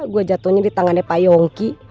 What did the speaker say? gue jatuhnya di tangannya pak yongki